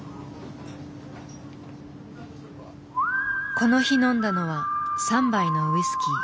この日飲んだのは３杯のウイスキー。